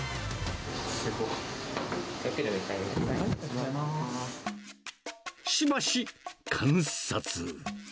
すごい。しばし観察。